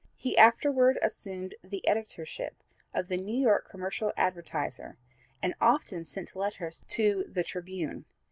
He afterward assumed the editorship of the New York Commercial Advertiser, and often sent letters to the Tribune.